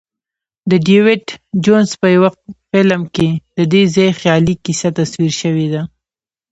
د ډیویډ جونز په یوه فلم کې ددې ځای خیالي کیسه تصویر شوې ده.